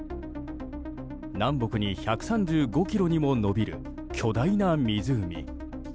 南北に１３５ｋｍにも延びる巨大な湖。